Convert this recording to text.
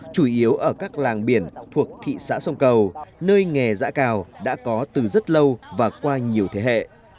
chủ yếu ở các làng biển thuộc thị xã sông cầu nơi nghề giã cào đã có từ rất lâu và qua nhiều thế hệ